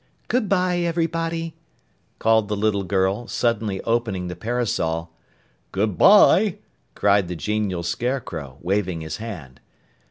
"Goodbye, everybody!" called the little girl, suddenly opening the parasol. "Goodbye!" cried the genial Scarecrow, waving his hand.